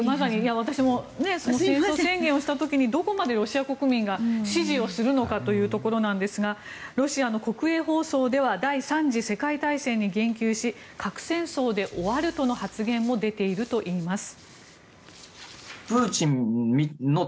戦争宣言をした時にどこまでロシア国民が支持をするのかというところなんですがロシアの国営放送では第３次世界大戦に言及し核戦争で終わるとの発言も出ているといいます。